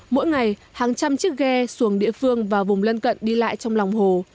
mỗi ngày hàng trăm chiếc ghe xuồng địa phương và vùng lân cận đi lại trong lòng hồ